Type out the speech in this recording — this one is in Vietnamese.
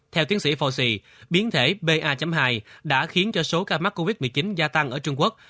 theo tiến sĩ fauci biến thể ba hai đã khiến cho số ca mắc covid một mươi chín gia tăng ở trung quốc